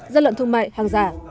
gian lận thương mại hàng giả